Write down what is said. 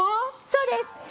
そうです。